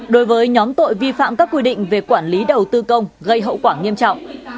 đối với nhóm tội vi phạm các quy định về quản lý đầu tư công gây hậu quả nghiêm trọng